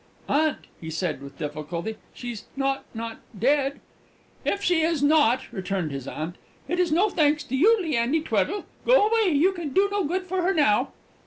"Aunt," he said with difficulty, "she's not not dead?" "If she is not," returned his aunt, "it's no thanks to you, Leandy Tweddle! Go away; you can do no good to her now!"